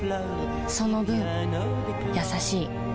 その分優しい